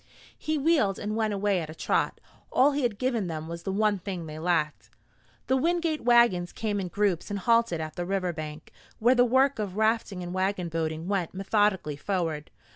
He wheeled and went away at a trot. All he had given them was the one thing they lacked. The Wingate wagons came in groups and halted at the river bank, where the work of rafting and wagon boating went methodically forward.